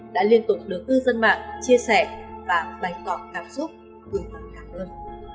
đã liên tục được tư dân mạng chia sẻ và bày tỏ cảm xúc gửi cảm ơn